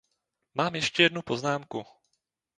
Mám ještě jednu poznámku.